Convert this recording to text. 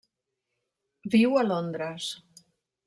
Viu a Londres.